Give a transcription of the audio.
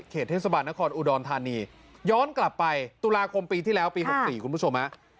เทศบาลนครอุดรธานีย้อนกลับไปตุลาคมปีที่แล้วปี๖๔คุณผู้ชมฮะ